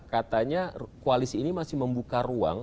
katanya koalisi ini masih membuka ruang